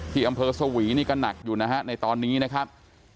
ที่อำเภอสวีนี่ก็หนักอยู่นะฮะในตอนนี้นะครับ